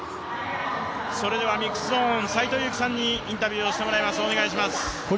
それではミックスゾーン斎藤佑樹さんにインタビューをしていただきます。